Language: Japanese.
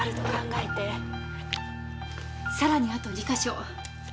さらにあと２か所。